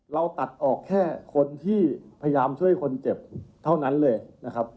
เราตัดออกแค่คนที่พยายามช่วยคนเจ็บเท่านั้นเลยนะครับ